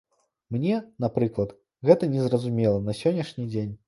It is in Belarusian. Мне, напрыклад, гэта незразумела на сённяшні дзень.